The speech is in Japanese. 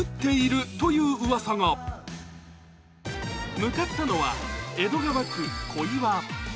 向かったのは江戸川区小岩。